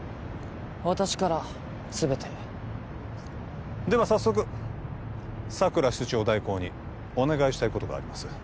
私からすべてではさっそく佐久良室長代行にお願いしたいことがあります